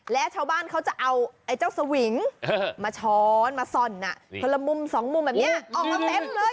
และชาวบ้านเขาจะเอาไอ้เจ้าสวิงมาช้อนมาส่อนคนละมุมสองมุมแบบนี้ออกมาเต็มเลย